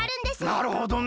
なるほどね。